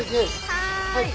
はい。